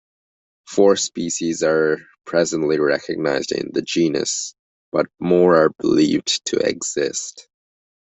Four species are presently recognized in the genus, but more are believed to exist.